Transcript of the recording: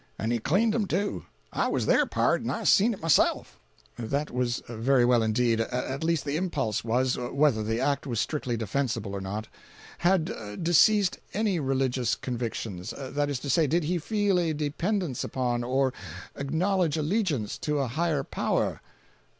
And he cleaned 'em, too! I was there, pard, and I seen it myself." 335.jpg (105K) "That was very well indeed—at least the impulse was—whether the act was strictly defensible or not. Had deceased any religious convictions? That is to say, did he feel a dependence upon, or acknowledge allegiance to a higher power?"